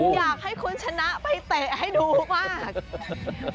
อยากให้คุณชนะไปเตะให้ดูมาก